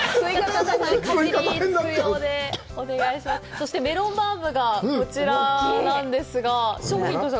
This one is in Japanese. そして、メロンバウムがこちらなんですが。